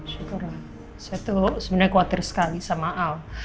syukurlah saya tuh sebenarnya khawatir sekali sama al